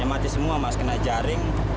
yang mati semua mas kena jaring